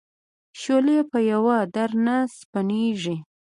شولې په یوه در نه سپینېږي.